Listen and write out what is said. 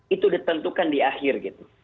itu ditentukan di akhir gitu